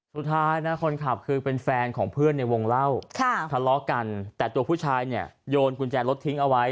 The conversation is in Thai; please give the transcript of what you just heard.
สุดท้ายนะคนขับคือเป็นแฟนของเพื่อนในวงเล่าทะเลาะกันแต่ตัวผู้ชายเนี่ยโยนกุญแจรถทิ้งเอาไว้